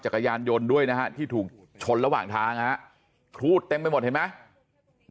จักรยานยนต์ด้วยนะฮะที่ถูกชนระหว่างทางฮะครูดเต็มไปหมดเห็นไหม